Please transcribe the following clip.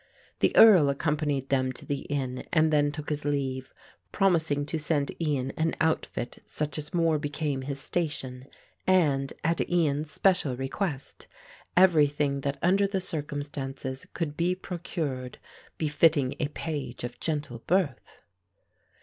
The Earl accompanied them to the inn and then took his leave, promising to send Ian an outfit such as more became his station and, at Ian's special request, everything that under the circumstances could be procured befitting a page of gentle birth.